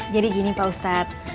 jadi gini pak ustadz